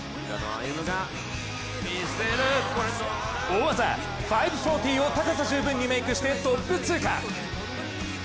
大技５４０を高さ十分にメークしてトップ通過。